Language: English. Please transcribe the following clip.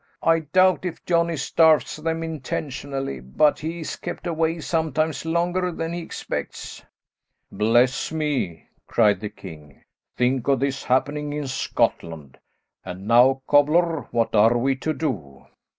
I doubt if Johnny starves them intentionally, but he's kept away sometimes longer than he expects." "Bless me," cried the king, "think of this happening in Scotland. And now, cobbler, what are we to do?"